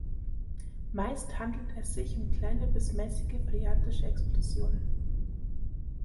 Meist handelte es sich um kleine bis mäßige phreatische Explosionen.